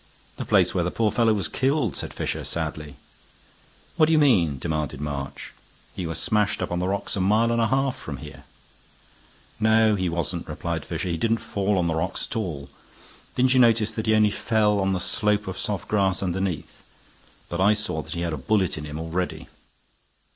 "The place where the poor fellow was killed," said Fisher, sadly. "What do you mean?" demanded March. "He was smashed up on the rocks a mile and a half from here." "No, he wasn't," replied Fisher. "He didn't fall on the rocks at all. Didn't you notice that he only fell on the slope of soft grass underneath? But I saw that he had a bullet in him already."